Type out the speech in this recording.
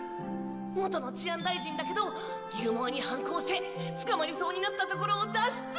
元の治安大臣だけどギルモアに反抗して捕まりそうになったところを脱出！